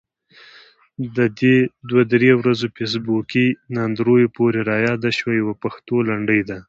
د دې دوه درې ورځو فیسبوکي ناندريو پورې رایاده شوه، يوه پښتو لنډۍ ده: